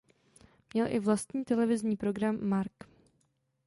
Měl i vlastní televizní program "Marc".